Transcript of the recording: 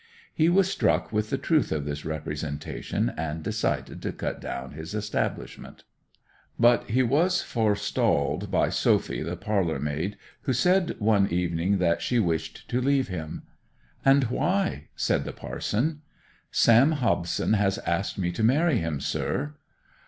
He was struck with the truth of this representation, and decided to cut down his establishment. But he was forestalled by Sophy, the parlour maid, who said one evening that she wished to leave him. 'And why?' said the parson. 'Sam Hobson has asked me to marry him, sir.